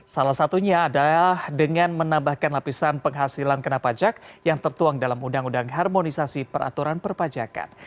salah satunya adalah dengan menambahkan lapisan penghasilan kena pajak yang tertuang dalam undang undang harmonisasi peraturan perpajakan